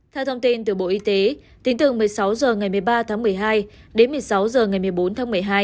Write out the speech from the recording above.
theo thông tin từ bộ y tế tính từ một mươi sáu h ngày một mươi ba tháng một mươi hai đến một mươi sáu h ngày một mươi bốn tháng một mươi hai